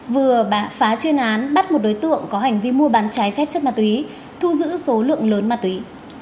vừa phá chuyên án bắt một đối tượng có hành vi mua bán trái phép chất ma túy thu giữ số lượng lớn ma túy